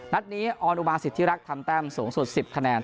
นัดนี้ออนอุมาสิทธิรักษ์ทำแต้มสูงสุด๑๐คะแนน